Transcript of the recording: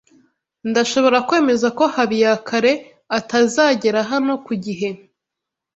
Ndashobora kwemeza ko Habiyakare atazagera hano ku gihe.